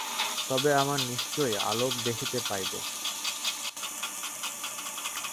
তবেই আমরা নিশ্চয়ই আলোক দেখিতে পাইব।